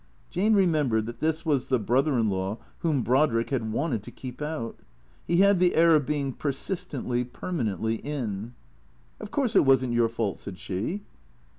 Jane remembered that this was the brother in law whom Brodrick had wanted to keep out. He had the air of being per sistently, permanently in. " Of course it was n't your fault," said she.